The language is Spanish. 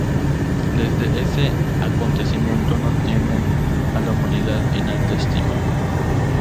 Desde ese acontecimiento no tienen a la humanidad en alta estima.